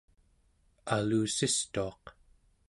Alussistuaq